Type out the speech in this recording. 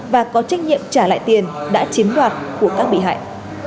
và có trách nhiệm trả lại tiền đã chiếm đoạt của các bị hại